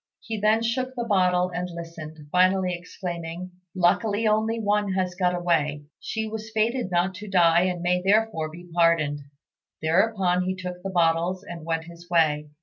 He then shook the bottle and listened, finally exclaiming, "Luckily only one has got away. She was fated not to die, and may therefore be pardoned." Thereupon he took the bottles and went his way.